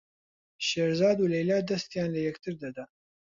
شێرزاد و لەیلا دەستیان لە یەکتر دەدا.